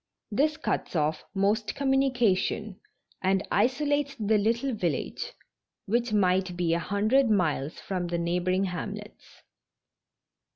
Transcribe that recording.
This cuts off most communication and isolates the little village, which might be a hundred miles from the neigh boring hamlets.